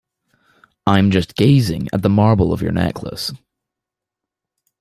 I'm just gazing at the marble of your necklace.